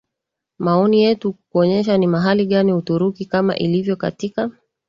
maoni yetu kukuonyesha ni mahali gani Uturuki Kama ilivyo katika